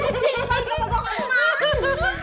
ira ini tuh celana ketanganan